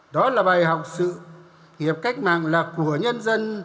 đó là bài học sự nghiệp cách mạng là của nhân dân